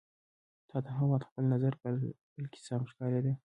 تا ته هغه وخت خپل نظر بالکل سم ښکارېده.